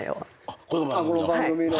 この番組の。